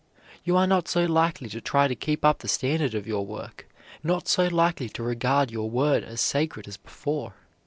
You are not so likely to try to keep up the standard of your work, not so likely to regard your word as sacred as before.